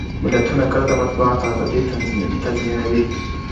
ملتونه کله د مطبوعاتو ازادي تضمینوي؟